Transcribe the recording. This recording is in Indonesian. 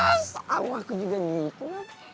ih seawahku juga gitu